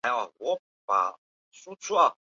而历史上的战争也多属于此。